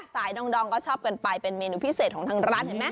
สายดองก็ชอบกันไปเป็นเมนูพิเศษของทางร้าน